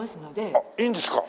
あっいいんですか？